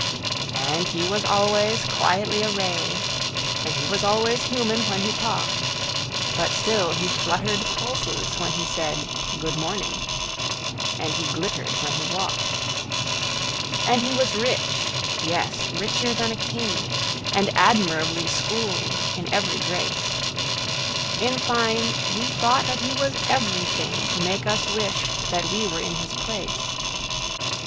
And he was always quietly arrayed, And he was always human when he talked; But still he fluttered pulses when he said,"Good morning," and he glittered when he walked. And he was rich,—yes, richer than a king,—And admirably schooled in every grace:In fine, we thought that he was everythingTo make us wish that we were in his place.